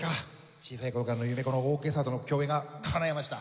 小さい頃からの夢オーケストラとの共演がかないました。